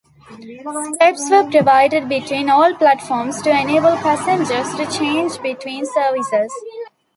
Steps were provided between all platforms, to enable passengers to change between services.